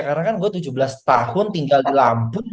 karena kan gue tujuh belas tahun tinggal di lampung